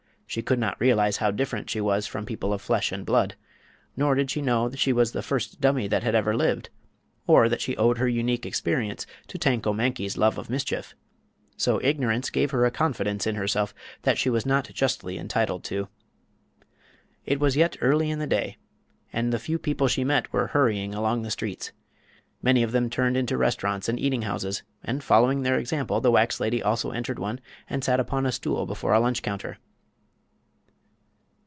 She could not realize how different she was from people of flesh and blood; nor did she know she was the first dummy that had ever lived, or that she owed her unique experience to Tanko Mankie's love of mischief. So ignorance gave her a confidence in herself that she was not justly entitled to. It was yet early in the day, and the few people she met were hurrying along the streets. Many of them turned into restaurants and eating houses, and following their example the wax lady also entered one and sat upon a stool before a lunch counter.